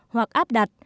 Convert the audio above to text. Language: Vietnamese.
hoặc áp đặt